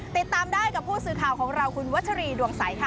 ติดตามได้กับผู้สื่อข่าวของเราคุณวัชรีดวงใสค่ะ